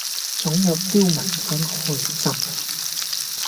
總有刁民想害朕